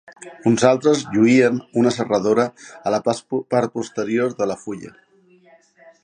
Uns altres lluïen una serradora a la part posterior de la fulla.